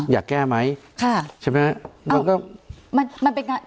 อยากแก้ไหมใช่ไหมมันก็